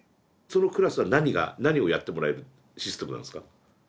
そのクラスは何が何をやってもらえるシステムなんですか？